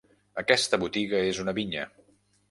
Aquesta botiga és una vinya.